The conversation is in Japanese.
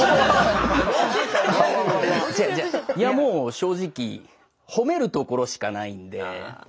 いやもう正直ほめるところしかないんで。